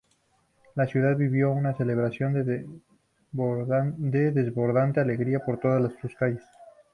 La ciudad vivió una celebración de desbordante alegría por todas sus calles.